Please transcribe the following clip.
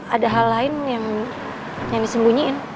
ada hal lain yang disembunyiin